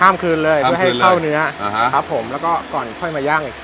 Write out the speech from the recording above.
ข้ามคืนเลยเพื่อให้เข้าเนื้อครับผมแล้วก็ก่อนค่อยมายั่ง